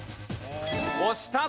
押したぞ！